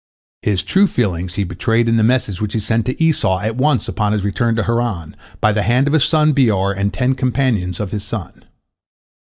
His true feelings he betrayed in the message which he sent to Esau at once upon his return to Haran, by the hand of his son Beor and ten companions of his son.